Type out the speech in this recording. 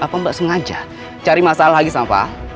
apa mbak sengaja cari masalah lagi sama pak al